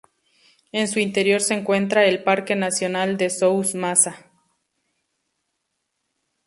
En su interior se encuentra el Parque nacional de Souss-Massa.